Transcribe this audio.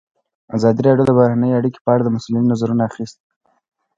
ازادي راډیو د بهرنۍ اړیکې په اړه د مسؤلینو نظرونه اخیستي.